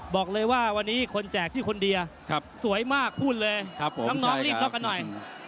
บอกเลยว่าวันนี้คนแจกที่คนเดียสวยมากพูดเลยครับผมน้องน้องรีบรับกันหน่อย